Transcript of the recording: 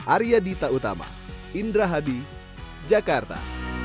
arya dita utama indra hadi jakarta